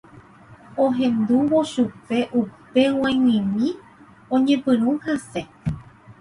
Ohendúvo chupe upe g̃uaig̃uimi oñepyrũ hasẽ